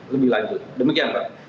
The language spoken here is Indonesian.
lebih lanjut demikian pak